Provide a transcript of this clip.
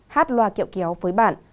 hát loa kẹo kéo với bạn